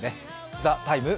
「ＴＨＥＴＩＭＥ，」